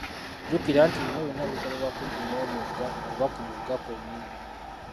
Jjukira nti bino byonna bikolebwa kumpi n’omugga oba ku mugga kwennyini.